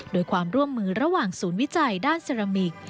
โดยความร่วมมือระหว่างศูนย์วิจัยด้านเซรามิก